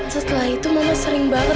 setelah itu mama sering banget